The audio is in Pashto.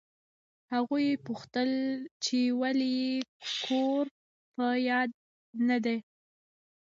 هغوی پوښتل چې ولې یې کور په یاد نه دی.